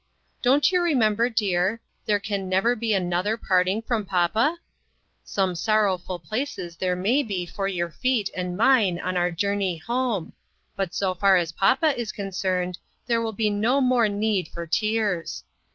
Don't you remember, dear, there can never be another parting from papa? Some sorrow ful places there may be for your feet and mine on our journey home ; but so far as papa is concerned, there will be no more need for tears.